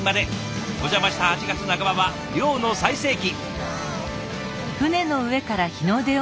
お邪魔した８月半ばは漁の最盛期。